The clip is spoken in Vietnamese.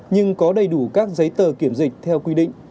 nhưng có đầy đủ các giấy tờ kiểm dịch theo quy định